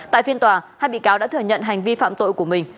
tại phiên tòa hai bị cáo đã thừa nhận hành vi phạm tội của mình